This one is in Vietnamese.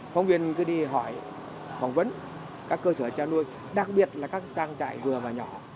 phóng viên cứ đi hỏi phỏng vấn các cơ sở chăn nuôi đặc biệt là các trang trại vừa và nhỏ